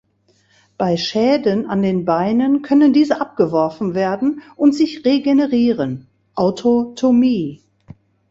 Bei Schäden an den Beinen können diese abgeworfen werden und sich regenerieren (Autotomie).